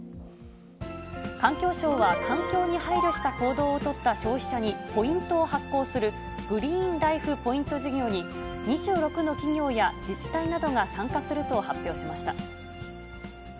環境省は、環境に配慮した行動を取った消費者にポイントを発行する、グリーンライフ・ポイント事業に２６の企業や自治体などが参加すると発表しました。